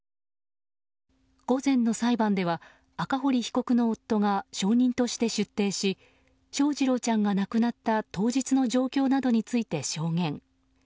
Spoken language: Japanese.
午前の裁判では赤堀被告の夫が証人として出廷し翔士郎ちゃんが亡くなった当日の状況などについて証言。